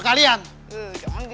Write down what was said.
foto yang baik baik